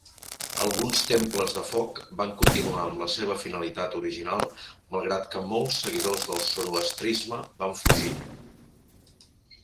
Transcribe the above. Alguns temples de foc van continuar amb la seva finalitat original malgrat que molts seguidors del zoroastrisme van fugir.